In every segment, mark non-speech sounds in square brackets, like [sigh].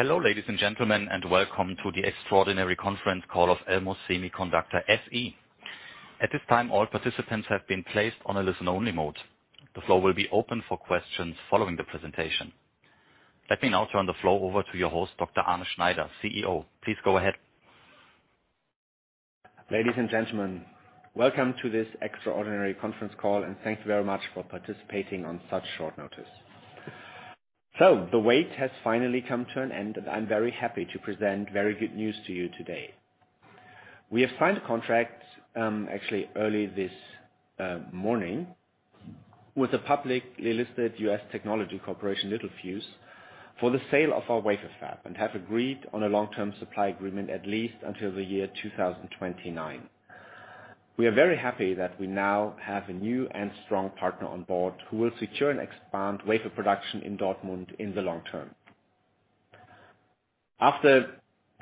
Hello, ladies and gentlemen, and welcome to the Extraordinary Conference call of Elmos Semiconductor SE. At this time, all participants have been placed on a listen-only mode. The floor will be open for questions following the presentation. Let me now turn the floor over to your host, Dr. Arne Schneider, CEO. Please go ahead. Ladies and gentlemen, welcome to this extraordinary conference call, and thank you very much for participating on such short notice. The wait has finally come to an end, and I'm very happy to present very good news to you today. We have signed a contract, actually early this morning, with a publicly listed U.S. technology corporation, Littelfuse, for the sale of our wafer fab, and have agreed on a long-term supply agreement at least until the year 2029. We are very happy that we now have a new and strong partner on board, who will secure and expand wafer production in Dortmund in the long term. After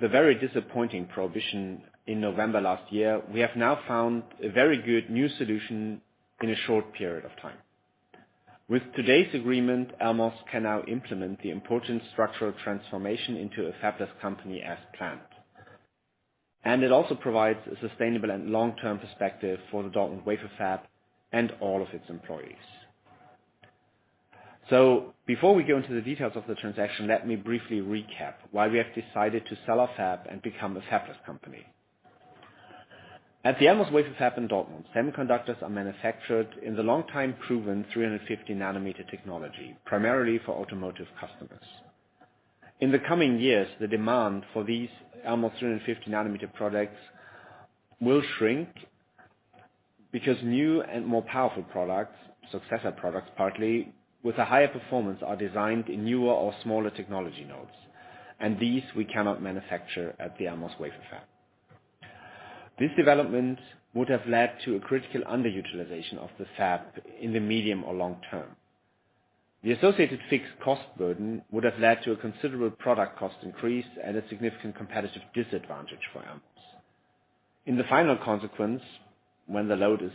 the very disappointing prohibition in November last year, we have now found a very good new solution in a short period of time. With today's agreement, Elmos can now implement the important structural transformation into a fabless company as planned. It also provides a sustainable and long-term perspective for the Dortmund wafer fab and all of its employees. Before we go into the details of the transaction, let me briefly recap why we have decided to sell our fab and become a fabless company. At the Elmos wafer fab in Dortmund, semiconductors are manufactured in the long-time proven 350 nanometer technology, primarily for automotive customers. In the coming years, the demand for these Elmos 350 nanometer products will shrink, because new and more powerful products, successor products, partly, with a higher performance, are designed in newer or smaller technology nodes, and these we cannot manufacture at the Elmos wafer fab. This development would have led to a critical underutilization of the fab in the medium or long term. The associated fixed cost burden would have led to a considerable product cost increase and a significant competitive disadvantage for Elmos. In the final consequence, when the load is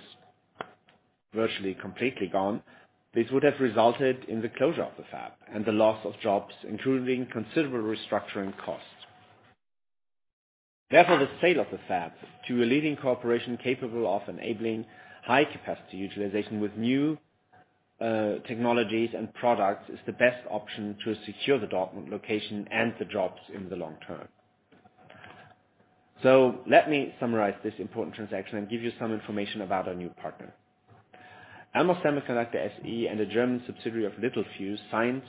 virtually completely gone, this would have resulted in the closure of the fab and the loss of jobs, including considerable restructuring costs. Therefore, the sale of the fab to a leading corporation capable of enabling high capacity utilization with new technologies and products, is the best option to secure the Dortmund location and the jobs in the long term. Let me summarize this important transaction and give you some information about our new partner. Elmos Semiconductor SE and the German subsidiary of Littelfuse signed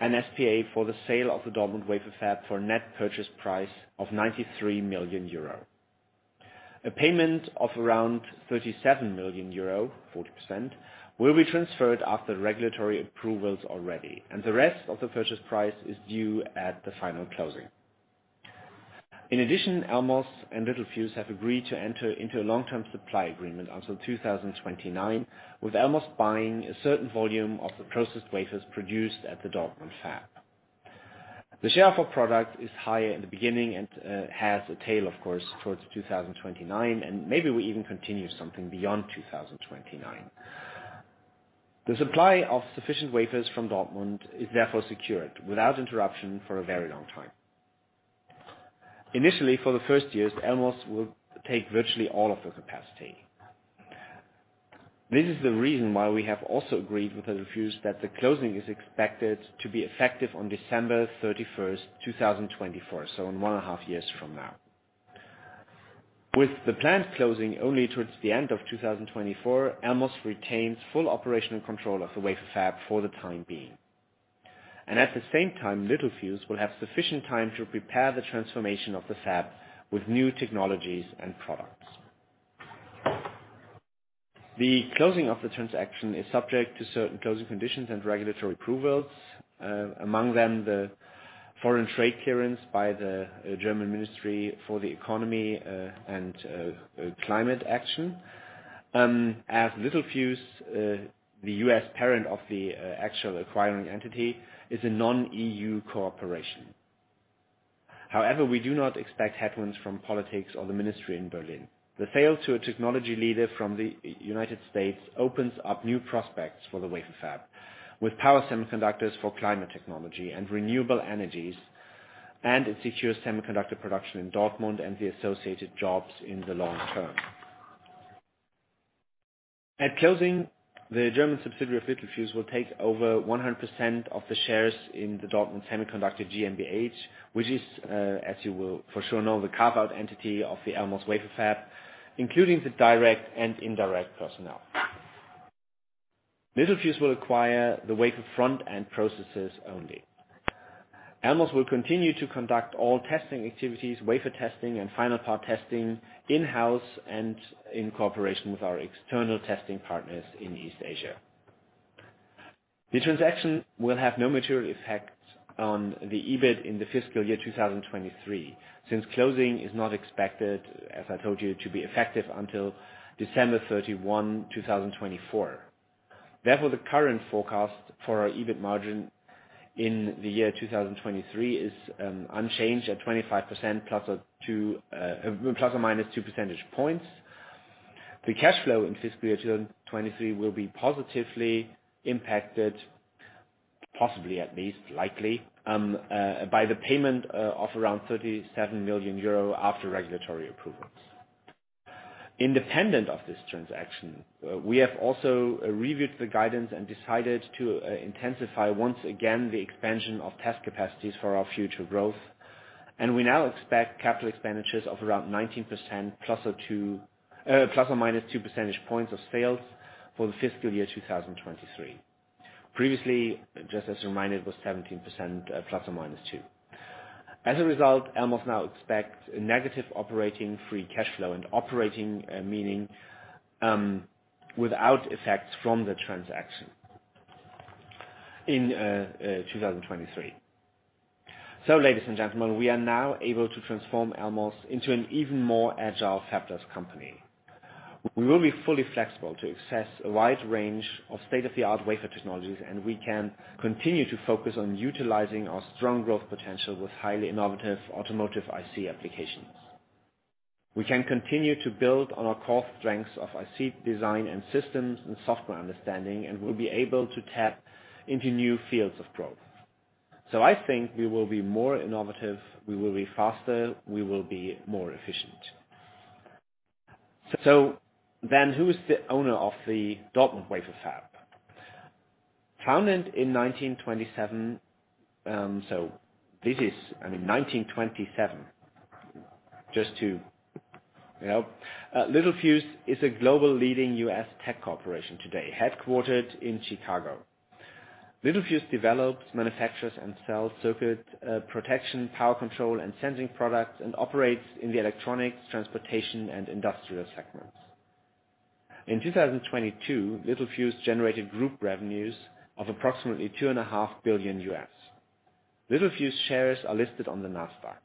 an SPA for the sale of the Dortmund wafer fab for a net purchase price of 93 million euro. A payment of around 37 million euro, 40%, will be transferred after regulatory approvals are ready, and the rest of the purchase price is due at the final closing. In addition, Elmos and Littelfuse have agreed to enter into a long-term supply agreement until 2029, with Elmos buying a certain volume of the processed wafers produced at the Dortmund fab. The share of our product is higher in the beginning and has a tail, of course, towards 2029, and maybe we even continue something beyond 2029. The supply of sufficient wafers from Dortmund is therefore secured without interruption for a very long time. Initially, for the first years, Elmos will take virtually all of the capacity. This is the reason why we have also agreed with Littelfuse that the closing is expected to be effective on December 31st, 2024, so in one and a half years from now. With the planned closing only towards the end of 2024, Elmos retains full operational control of the wafer fab for the time being. At the same time, Littelfuse will have sufficient time to prepare the transformation of the fab with new technologies and products. The closing of the transaction is subject to certain closing conditions and regulatory approvals, among them, the foreign trade clearance by the German Ministry for the Economy and Climate Action. As Littelfuse, the U.S. parent of the actual acquiring entity, is a non-EU cooperation. However, we do not expect headwinds from politics or the ministry in Berlin. The sale to a technology leader from the United States opens up new prospects for the wafer fab, with power semiconductors for climate technology and renewable energies, and it secures semiconductor production in Dortmund and the associated jobs in the long term. At closing, the German subsidiary of Littelfuse will take over 100% of the shares in the Dortmund Semiconductor GmbH, which is, as you will for sure know, the carve-out entity of the Elmos wafer fab, including the direct and indirect personnel. Littelfuse will acquire the wafer front and processes only. Elmos will continue to conduct all testing activities, wafer testing, and final part testing in-house and in cooperation with our external testing partners in East Asia. The transaction will have no material effect on the EBIT in the fiscal year 2023, since closing is not expected, as I told you, to be effective until December 31, 2024. The current forecast for our EBIT margin in the year 2023 is unchanged at 25%, plus or minus 2 percentage points. The cash flow in fiscal year 2023 will be positively impacted, likely by the payment of around 37 million euro after regulatory approvals. Independent of this transaction, we have also reviewed the guidance and decided to intensify once again, the expansion of test capacities for our future growth. We now expect capital expenditures of around 19%, plus or minus 2 percentage points of sales for the fiscal year 2023. Previously, just as a reminder, it was 17%, ±2. As a result, Elmos now expects a negative operating free cash flow and operating, meaning, without effects from the transaction in 2023. Ladies and gentlemen, we are now able to transform Elmos into an even more agile fabless company. We will be fully flexible to access a wide range of state-of-the-art wafer technologies, and we can continue to focus on utilizing our strong growth potential with highly innovative automotive IC applications. We can continue to build on our core strengths of IC design and systems and software understanding, and we'll be able to tap into new fields of growth. I think we will be more innovative, we will be faster, we will be more efficient. Who is the owner of the Dortmund wafer fab? Founded in 1927, I mean, 1927, just to, you know. Littelfuse is a global leading U.S. tech corporation today, headquartered in Chicago. Littelfuse develops, manufactures, and sells circuit protection, power control, and sensing products, and operates in the electronics, transportation, and industrial segments. In 2022, Littelfuse generated group revenues of approximately $2.5 billion. Littelfuse shares are listed on the NASDAQ.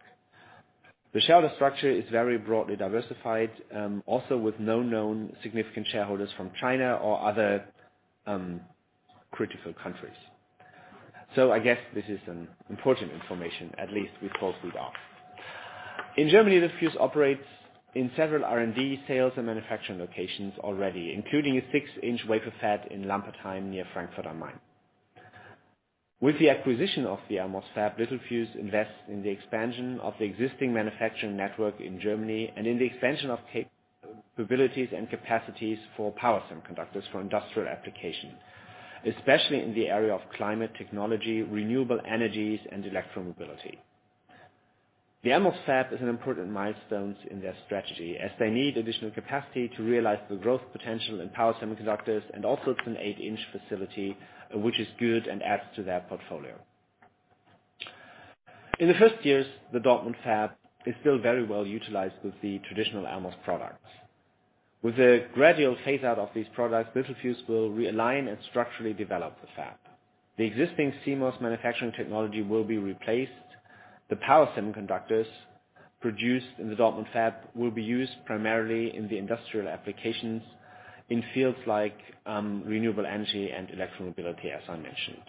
The shareholder structure is very broadly diversified, also with no known significant shareholders from China or other critical countries. I guess this is an important information, at least we hope we are. In Germany, Littelfuse operates in several R&D, sales, and manufacturing locations already, including a six-inch wafer fab in Lampertheim, near Frankfurt am Main. With the acquisition of the Elmos fab, Littelfuse invests in the expansion of the existing manufacturing network in Germany, and in the expansion of capabilities and capacities for power semiconductors for industrial applications, especially in the area of climate technology, renewable energies, and electromobility. The Elmos fab is an important milestone in their strategy, as they need additional capacity to realize the growth potential in power semiconductors, and also it's an 8-inch facility, which is good and adds to their portfolio. In the first years, the Dortmund fab is still very well utilized with the traditional Elmos products. With a gradual phase out of these products, Littelfuse will realign and structurally develop the fab. The existing CMOS manufacturing technology will be replaced. The power semiconductors produced in the Dortmund fab will be used primarily in the industrial applications in fields like renewable energy and electromobility, as I mentioned.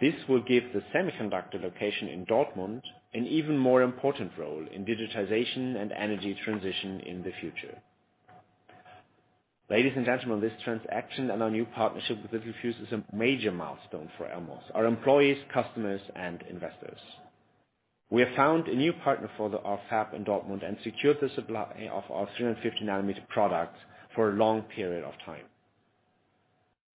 This will give the semiconductor location in Dortmund an even more important role in digitization and energy transition in the future. Ladies and gentlemen, this transaction and our new partnership with Littelfuse is a major milestone for Elmos, our employees, customers, and investors. We have found a new partner for our fab in Dortmund and secured the supply of our 350nm products for a long period of time.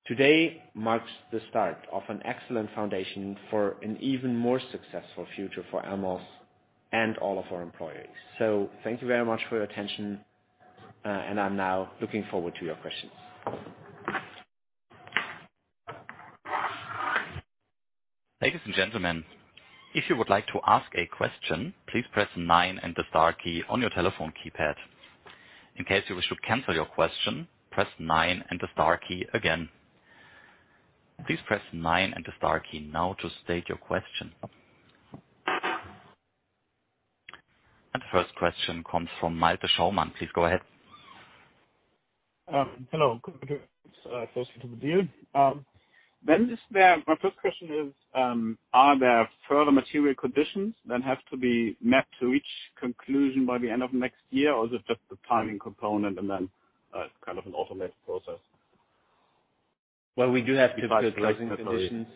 Today marks the start of an excellent foundation for an even more successful future for Elmos and all of our employees. Thank you very much for your attention, and I'm now looking forward to your questions. Ladies and gentlemen, if you would like to ask a question, please press nine and the star key on your telephone keypad. In case you wish to cancel your question, press nine and the star key again. Please press nine and the star key now to state your question. The first question comes from Malte Schaumann. Please go ahead. Hello. Congratulations to the deal. My first question is, are there further material conditions that have to be met to each conclusion by the end of next year, or is it just the timing component and then kind of an automated process? Well, we do have [crosstalk] conditions.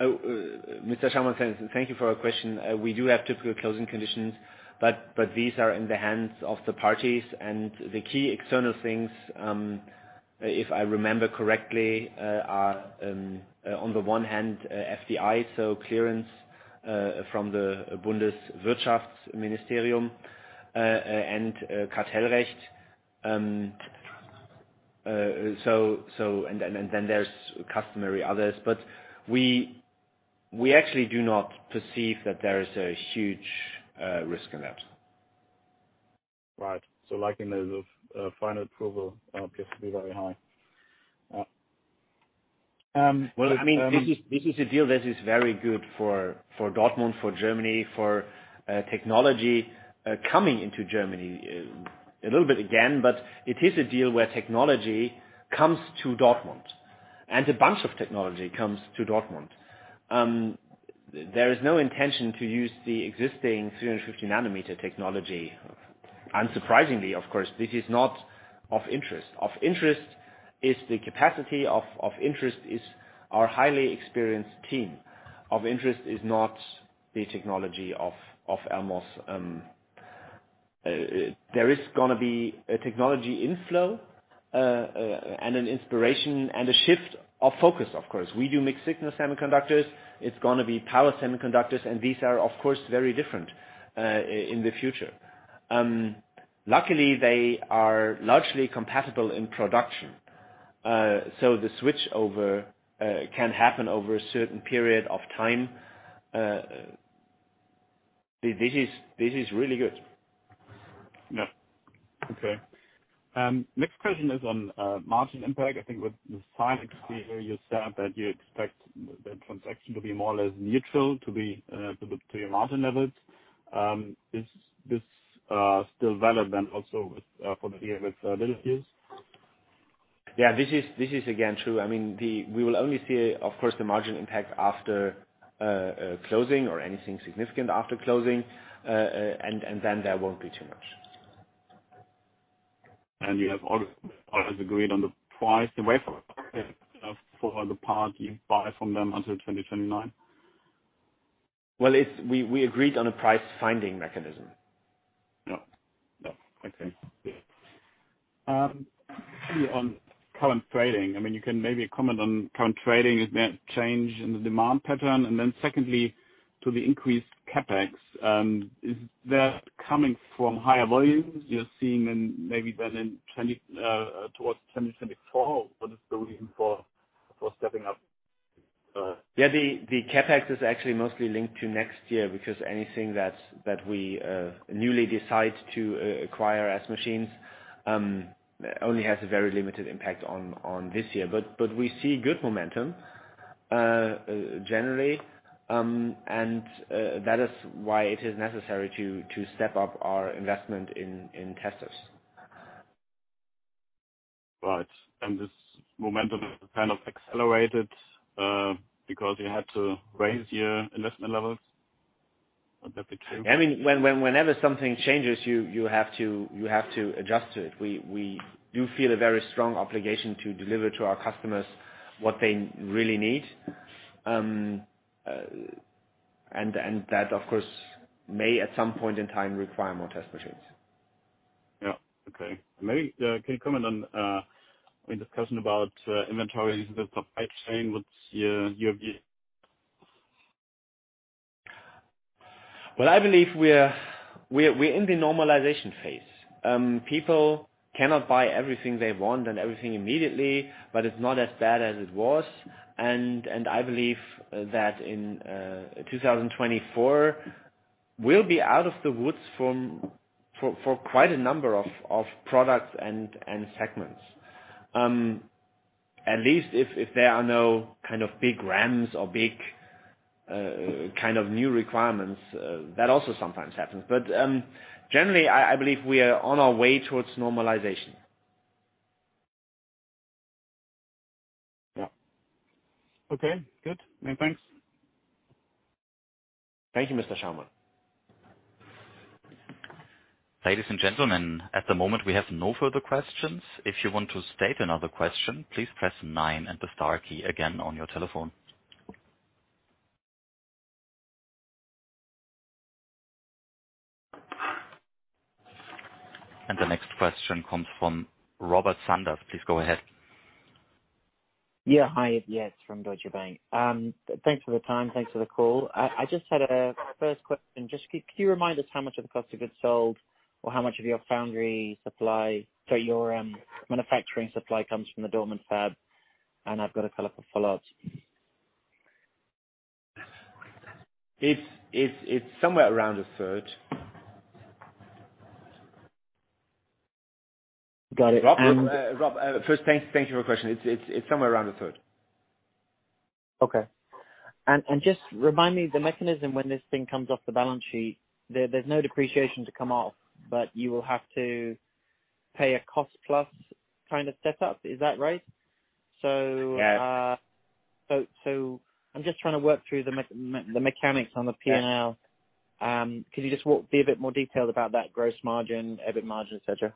Mr. Schaumann, thank you for your question. We do have typical closing conditions, but these are in the hands of the parties. The key external things, if I remember correctly, are on the one hand, FDI, so clearance from the Bundeswirtschaftsministerium, and Kartellrecht. Then there's customary others, but we actually do not perceive that there is a huge risk in that. Right. likely the final approval appears to be very high. Well, I mean, this is a deal that is very good for Dortmund, for Germany, for technology coming into Germany a little bit again. It is a deal where technology comes to Dortmund. A bunch of technology comes to Dortmund. There is no intention to use the existing 350nm technology. Unsurprisingly, of course, this is not of interest. Of interest is the capacity, of interest is our highly experienced team. Of interest is not the technology of Elmos. There is gonna be a technology inflow and an inspiration and a shift of focus, of course. We do mixed signal semiconductors. It's gonna be power semiconductors. These are, of course, very different in the future. Luckily, they are largely compatible in production. The switch over, can happen over a certain period of time. This is really good. Yeah. Okay. Next question is on margin impact. I think with the Silex here, you said that you expect the transaction to be more or less neutral to your margin levels. Is this still valid, and also for the year with Littelfuse? Yeah, this is again true. I mean, We will only see, of course, the margin impact after closing or anything significant after closing, then there won't be too much. You have all agreed on the price, the wafer, for the part you buy from them until 2029? Well, we agreed on a price-finding mechanism. Yeah. Yeah. Okay. On current trading, I mean, you can maybe comment on current trading, has there been a change in the demand pattern? Secondly, to the increased CapEx, is that coming from higher volumes you're seeing maybe then towards 2024? What is the reason for stepping up? The CapEx is actually mostly linked to next year, because anything that we newly decide to acquire as machines only has a very limited impact on this year. We see good momentum generally, and that is why it is necessary to step up our investment in testers. Right. This momentum is kind of accelerated, because you had to raise your investment levels. Would that be true? I mean, whenever something changes, you have to adjust to it. We do feel a very strong obligation to deliver to our customers what they really need. That, of course, may at some point in time require more test machines. Okay. Maybe, can you comment on, in discussion about, inventories, the supply chain, what's your view? Well, I believe we are we're in the normalization phase. People cannot buy everything they want and everything immediately, but it's not as bad as it was. I believe that in 2024, we'll be out of the woods from, for quite a number of products and segments. At least if there are no kind of big Rams or big kind of new requirements that also sometimes happens. Generally, I believe we are on our way towards normalization. Yeah. Okay, good. Many thanks. Thank you, Mr. Schaumann. Ladies and gentlemen, at the moment, we have no further questions. If you want to state another question, please press nine and the star key again on your telephone. The next question comes from Robert Sanders. Please go ahead. Yeah. Hi, it's Rob from Deutsche Bank. Thanks for the time. Thanks for the call. I just had a first question. Just can you remind us how much of the cost of goods sold or how much of your foundry supply, so your manufacturing supply comes from the Dortmund fab? I've got a couple of follow-ups. It's somewhere around a third. Got it. Rob, first, thank you for your question. It's somewhere around a third. Okay. Just remind me, the mechanism when this thing comes off the balance sheet, there's no depreciation to come off, but you will have to pay a cost-plus kind of setup. Is that right? Yes. So I'm just trying to work through the mechanics on the PNL. Could you just be a bit more detailed about that gross margin, EBIT margin, et cetera?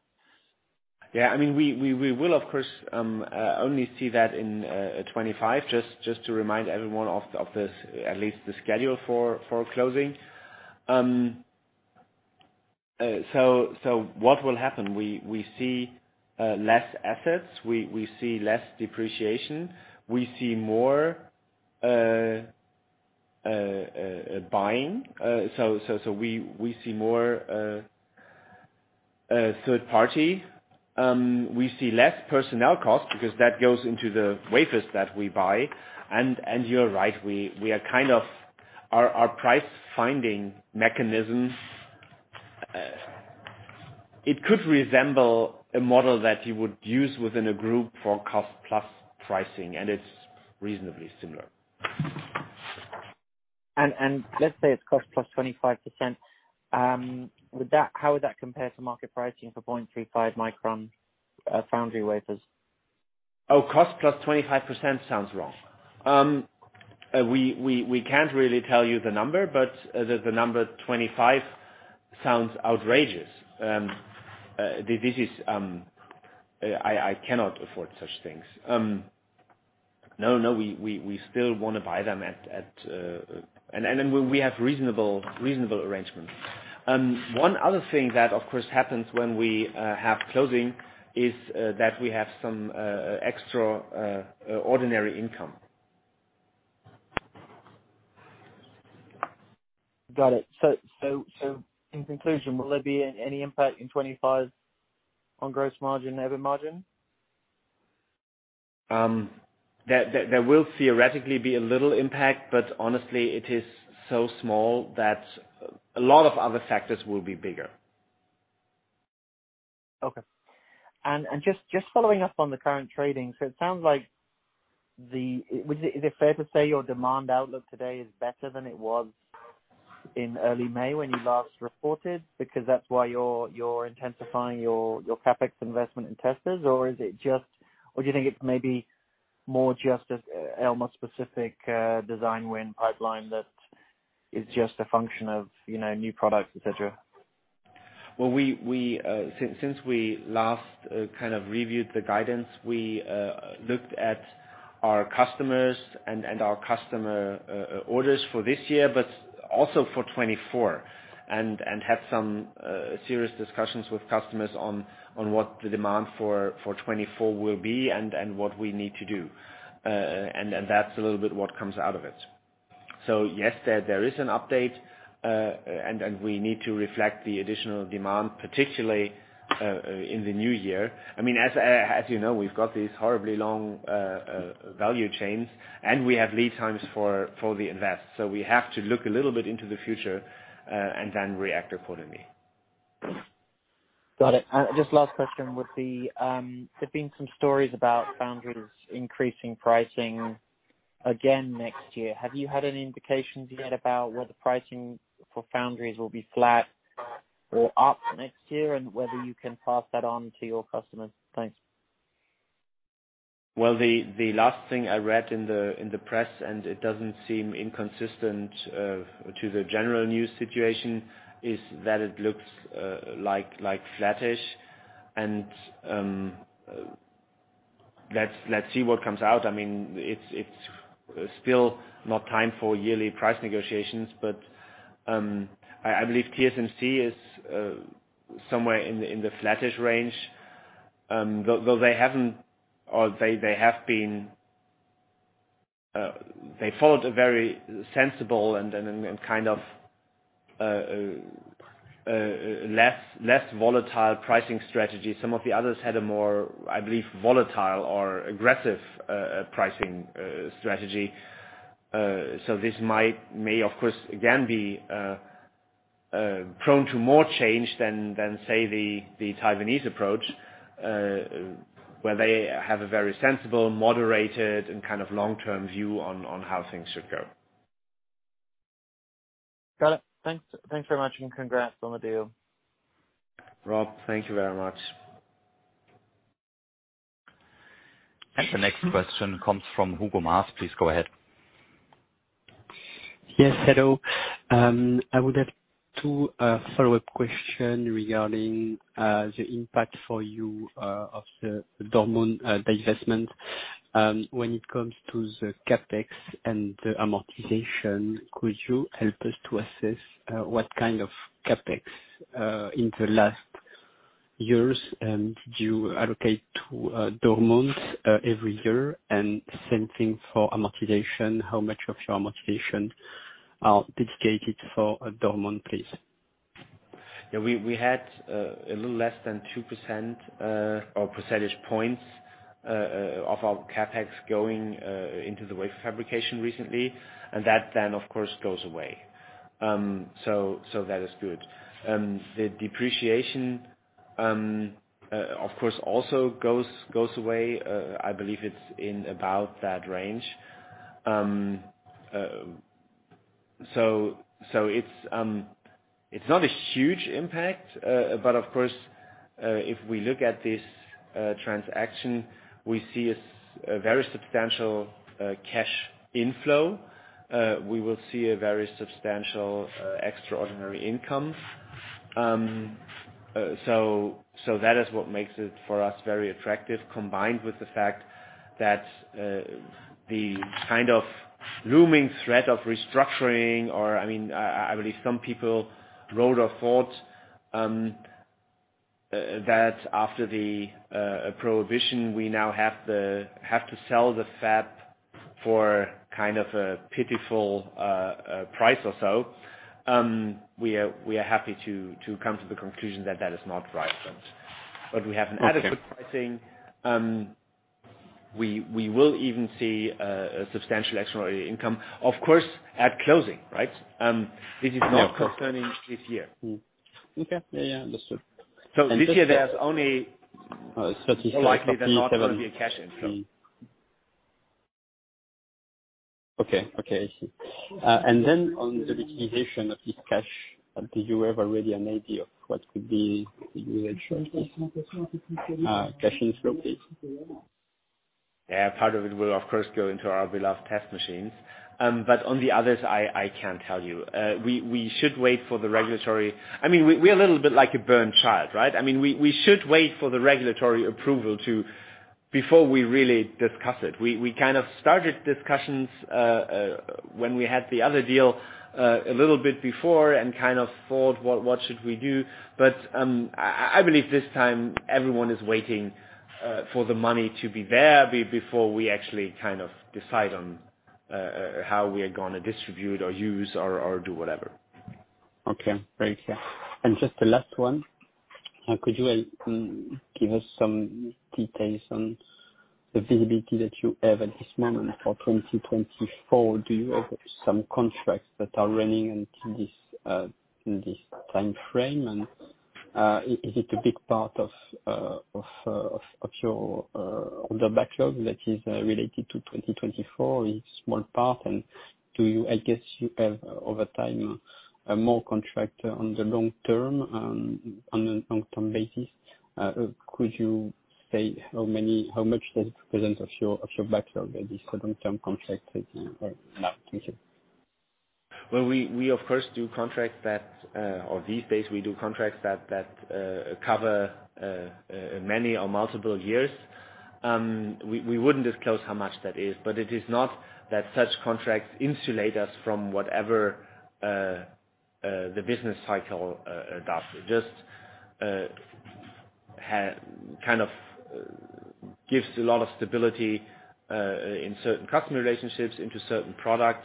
Yeah, I mean, we will, of course, only see that in 2025, just to remind everyone of this, at least the schedule for closing. What will happen? We see less assets, we see less depreciation, we see more buying. We see more third party. We see less personnel costs because that goes into the wafers that we buy. You're right, we are kind of., our price-finding mechanism, it could resemble a model that you would use within a group for cost-plus pricing, and it's reasonably similar. Let's say it's cost plus 25%, how would that compare to market pricing for 0.35 micron, foundry wafers? Cost plus 25% sounds wrong. We can't really tell you the number, the number 25 sounds outrageous. This is, I cannot afford such things. No, we still want to buy them at. We have reasonable arrangements. One other thing that, of course, happens when we have closing, is that we have some extraordinary income. Got it. In conclusion, will there be any impact in 2025 on gross margin, EBITDA margin? There will theoretically be a little impact, but honestly, it is so small that a lot of other factors will be bigger. Okay. Just following up on the current trading, so it sounds like, is it fair to say your demand outlook today is better than it was in early May when you last reported? Because that's why you're intensifying your CapEx investment in testers, or do you think it's maybe more just Elmos-specific, design win pipeline that is just a function of, you know, new products, et cetera? We since we last kind of reviewed the guidance, we looked at our customers and our customer orders for this year, but also for 2024, and had some serious discussions with customers on what the demand for 2024 will be and what we need to do. That's a little bit what comes out of it. Yes, there is an update, and we need to reflect the additional demand, particularly in the new year. I mean, as you know, we've got these horribly long value chains, and we have lead times for the invest. We have to look a little bit into the future, and then react accordingly. Got it. Just last question would be, there have been some stories about foundries increasing pricing again next year. Have you had any indications yet about whether pricing for foundries will be flat or up next year, and whether you can pass that on to your customers? Thanks. Well, the last thing I read in the press, and it doesn't seem inconsistent to the general news situation, is that it looks like flattish. Let's see what comes out. I mean, it's still not time for yearly price negotiations, I believe TSMC is somewhere in the flattish range. Though they haven't, or they have been, they followed a very sensible and kind of less volatile pricing strategy. Some of the others had a more, I believe, volatile or aggressive pricing strategy. This may of course, again, be prone to more change than, say, the Taiwanese approach, where they have a very sensible, moderated, and kind of long-term view on how things should go. Got it. Thanks. Thanks very much, and congrats on the deal. Rob, thank you very much. The next question comes from Hugo Maas. Please go ahead. Yes, hello. I would have two follow-up question regarding the impact for you of the Dortmund divestment. When it comes to the CapEx and the amortization, could you help us to assess what kind of CapEx in the last years, and do you allocate to Dortmund every year? Same thing for amortization. How much of your amortization are dedicated for Dortmund, please? Yeah, we had a little less than 2% or percentage points of our CapEx going into the wafer fabrication recently, and that then, of course, goes away. That is good. The depreciation, of course, also goes away. I believe it's in about that range. So it's not a huge impact, but of course, if we look at this transaction, we see a very substantial cash inflow. We will see a very substantial extraordinary income. So that is what makes it, for us, very attractive, combined with the fact that the kind of looming threat of restructuring or, I mean, I believe some people wrote or thought that after the prohibition, we now have to sell the fab for kind of a pitiful price or so. We are happy to come to the conclusion that that is not right. We have an added pricing. We will even see a substantial extraordinary income, of course, at closing, right? This is not concerning this year. Okay. Yeah, yeah, understood. This year there's only-... [crosstalk] likely there's not gonna be a cash inflow. Okay, okay, I see. On the visualization of this cash, do you have already an idea of what could be the usual, cash inflow, please? Yeah, part of it will of course, go into our beloved test machines. On the others, I can't tell you. We should wait for the regulatory- I mean, we are a little bit like a burned child, right? I mean, we should wait for the regulatory approval to-- before we really discuss it. We kind of started discussions, when we had the other deal, a little bit before, and kind of thought, what should we do? I believe this time everyone is waiting, for the money to be there before we actually kind of decide on, how we are gonna distribute or use, or do whatever. Okay, very clear. Just the last one, could you give us some details on the visibility that you have at this moment for 2024? Do you have some contracts that are running into this, in this time frame? Is it a big part of your order backlog that is related to 2024, in small part? Do you, I guess you have over time, more contract on the long term, on a long-term basis? Could you say how much does it present of your, of your backlog, that is for long-term contracts right now? Thank you. Well, we of course do contracts that or these days we do contracts that cover many or multiple years. We wouldn't disclose how much that is, it is not that such contracts insulate us from whatever the business cycle does. Just kind of gives a lot of stability in certain customer relationships, into certain products,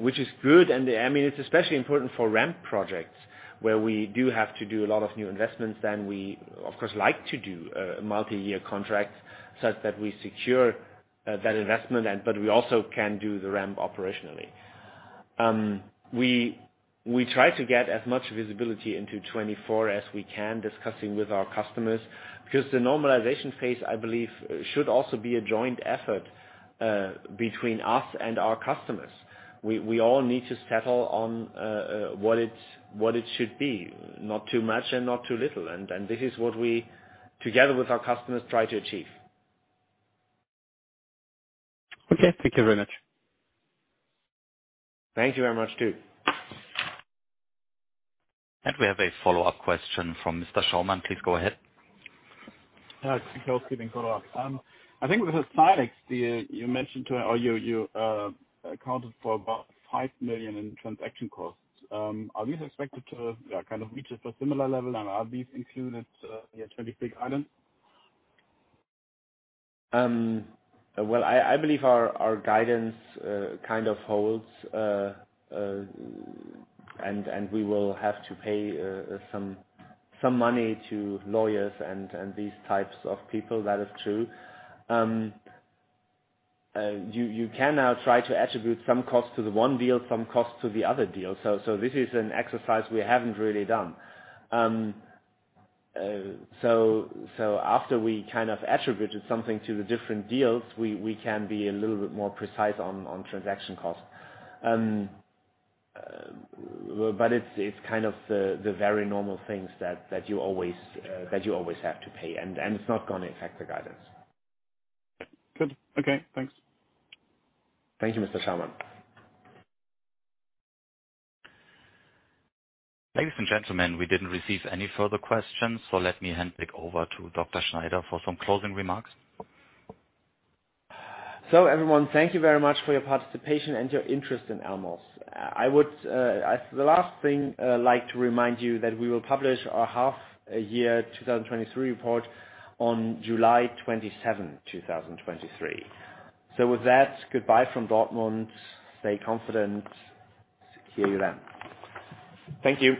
which is good. I mean, it's especially important for ramp projects, where we do have to do a lot of new investments, then we of course, like to do a multi-year contract, such that we secure that investment, and but we also can do the Ram operationally. We try to get as much visibility into 2024 as we can, discussing with our customers, because the normalization phase, I believe, should also be a joint effort between us and our customers. We all need to settle on what it should be, not too much and not too little. This is what we, together with our customers, try to achieve. Okay. Thank you very much. Thank you very much, too. We have a follow-up question from Mr. Schaumann. Please go ahead. Thank you for keeping follow-up. I think with the Silex deal, you accounted for about 5 million in transaction costs. Are we expected to kind of reach a similar level? Are these included in your 2023 guidance? Well, I believe our guidance kind of holds. We will have to pay some money to lawyers and these types of people, that is true. You can now try to attribute some costs to the one deal, some costs to the other deal. This is an exercise we haven't really done. After we kind of attributed something to the different deals, we can be a little bit more precise on transaction costs. It's kind of the very normal things that you always have to pay, and it's not gonna affect the guidance. Good. Okay, thanks. Thank you, Mr. Schaumann. Ladies and gentlemen, we didn't receive any further questions, so let me hand pick over to Dr. Schneider for some closing remarks. Everyone, thank you very much for your participation and your interest in Elmos. I would, as the last thing, like to remind you that we will publish our half year 2023 report on July 27, 2023. With that, goodbye from Dortmund. Stay confident. See you then. Thank you.